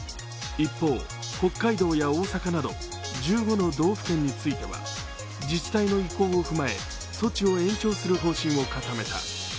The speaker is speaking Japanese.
一方、北海道や大阪など１５の道府県については自治体の意向を踏まえ措置を延長する方針を固めた。